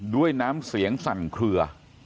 ด้วยน้ำเสียงสั่นเคลือ